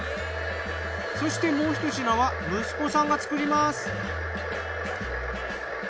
そしてもうひと品は息子さんが作ります。